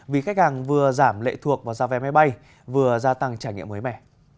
vì khách hàng vừa giảm lệ thuộc vào giá vé máy bay vừa gia tăng trải nghiệm mới mẻ